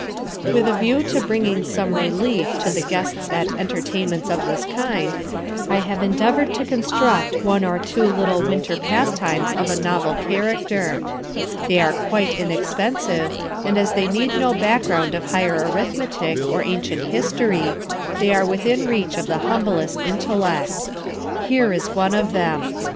With a view to bringing some relief to the guests at entertainments of this kind, I have endeavoured to construct one or two little winter pastimes of a novel character. They are quite inexpensive, and as they need no background of higher arithmetic or ancient history, they are within reach of the humblest intellect. Here is one of them.